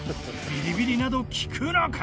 ビリビリなど効くのか？